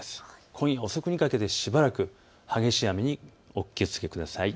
今夜遅くにかけてしばらく激しい雨にお気をつけください。